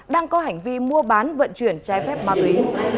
đang có hành vi mua bán vận chuyển trái phép ma túy